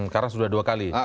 karena sudah dua kali